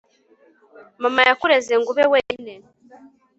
mama yakureze ngo ube wenyine